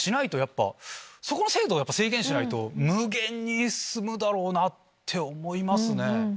そこの制度を制限しないと無限に進むだろうなって思いますね。